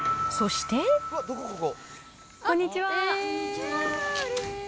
こんにちは。